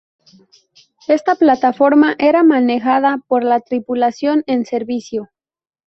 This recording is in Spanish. Esta plataforma era manejada por la tripulación en servicio.